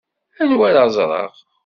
Anwa ara ẓṛeɣ?